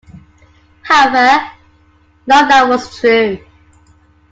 However, none of that was true.